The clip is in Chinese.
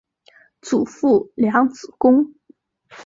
祖父梁子恭。